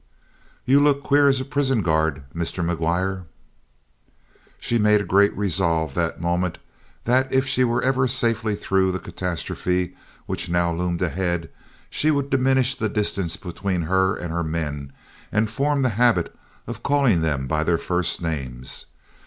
"You look queer as a prison guard, Mr. McGuire." She made a great resolve, that moment, that if she were ever safely through the catastrophe which now loomed ahead, she would diminish the distance between her and her men and form the habit of calling them by their first names.